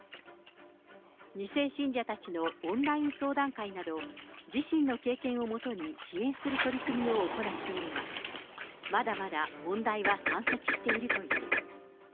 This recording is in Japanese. ２世信者たちのオンライン相談会など、自身の経験をもとに支援する取り組みを行っているが、まだまだ問題は山積しているという。